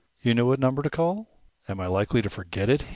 "You know what number to call?" "Am I likely to forget it?"